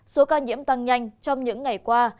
số ca nhiễm tăng nhanh trong những ngày qua